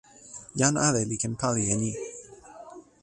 jan ale li ken pali e ni.